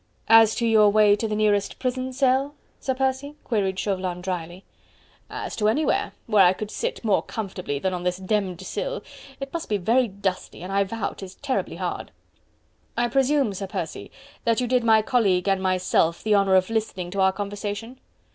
"As to your way to the nearest prison cell, Sir Percy?" queried Chauvelin drily. "As to anywhere, where I could sit more comfortably than on this demmed sill.... It must be very dusty, and I vow 'tis terribly hard..." "I presume, Sir Percy, that you did my colleague and myself the honour of listening to our conversation?"